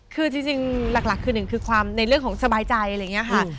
คือจริงหลักคือหนึ่งคือความในเรื่องของสบายใจอะไรอย่างนี้ค่ะ